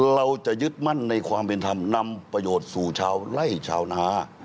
เราจะยึดมั่นในความเป็นธรรมนำประโยชน์สู่ชาวไล่ชาวนา